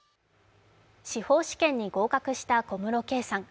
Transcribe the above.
司法試験に合格した小室圭さん。